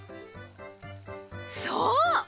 そう！